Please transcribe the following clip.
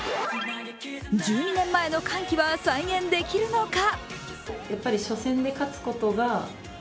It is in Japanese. １２年前の歓喜は再現できるのか。